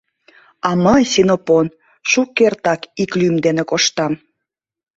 А мый, Синопон, шукертак ик лӱм дене коштам.